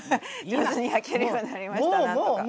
上手に焼けるようになりました何とか。